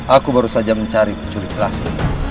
aku baru saja mencari pencuri kelas ini